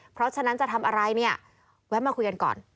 เพราะฉะนั้นจะทำอะไรเนี่ยแวะมาคุยกันก่อน